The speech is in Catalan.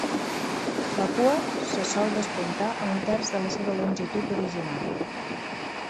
La cua se sol despuntar a un terç de la seva longitud original.